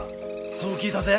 そう聞いたぜ。